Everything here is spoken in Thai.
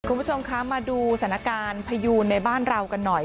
คุณผู้ชมคะมาดูสถานการณ์พยูนในบ้านเรากันหน่อย